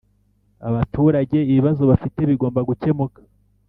abaturage ibibazo bafite bigomba kucyemuka